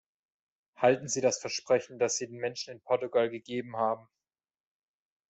Halten Sie das Versprechen, das Sie den Menschen in Portugal gegeben haben.